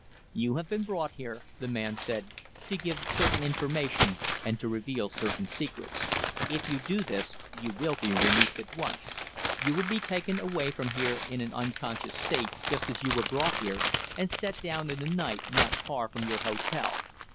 "You have been brought here," the man said, "to give certain information, and to reveal certain secrets. If you do this, you will be released at once you will be taken away from here in an unconscious state, just as you were brought here, and set down in the night not far from your hotel.